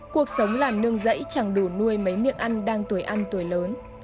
cuộc sống làm nương dẫy chẳng đủ nuôi mấy miệng ăn đang tuổi ăn tuổi lớn